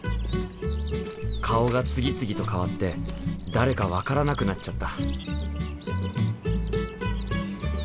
顔が次々と変わって誰か分からなくなっちゃった。